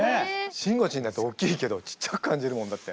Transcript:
しんごちんだっておっきいけどちっちゃく感じるもんだって。